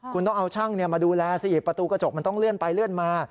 คุณต้องเอาช่างมาดูแลสิประตูกระจกมันต้องเลื่อนไปเลื่อนมา